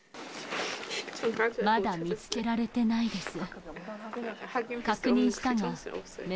まだ見つけられてないです。